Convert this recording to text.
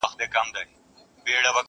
له خپل ازله را رسېدلي,